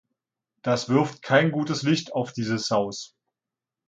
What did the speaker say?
Das wirft kein gutes Licht auf dieses Haus.